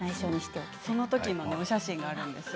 そのときのお写真があります。